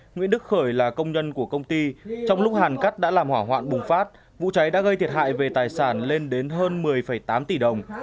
nguyễn đức khởi là công nhân của công ty trong lúc hàn cắt đã làm hỏa hoạn bùng phát vụ cháy đã gây thiệt hại về tài sản lên đến hơn một mươi tám tỷ đồng